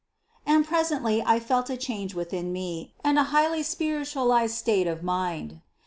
And presently I felt a change within me and a highly spiritualized state of mind.